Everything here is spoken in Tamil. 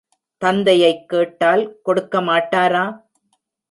தந்தையைக் கேட்டால் கொடுக்க மாட்டாரா?